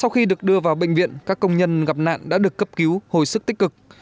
sau khi được đưa vào bệnh viện các công nhân gặp nạn đã được cấp cứu hồi sức tích cực